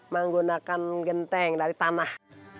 menggunakan genting dari tanah